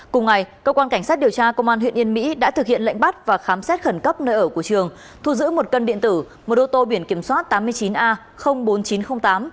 cùng ngày cơ quan cảnh sát điều tra công an huyện yên mỹ đã thực hiện lệnh bắt và khám xét khẩn cấp nơi ở của trường thu giữ một cân điện tử một ô tô biển kiểm soát tám mươi chín a bốn nghìn chín trăm linh tám